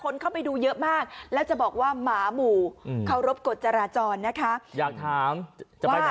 เนี่ยแล้วมีคนแชร์ต่อเยอะมาก